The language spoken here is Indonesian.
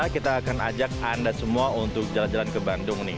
kita akan ajak anda semua untuk jalan jalan ke bandung nih